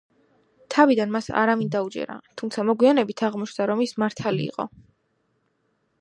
თავიდან მას არავინ დაუჯერა, თუმცა მოგვიანებით აღმოჩნდა რომ ის მართალი იყო.